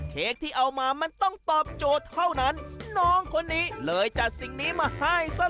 เค้กที่เอามามันต้องตอบโจทย์เท่านั้นน้องคนนี้เลยจัดสิ่งนี้มาให้ซะ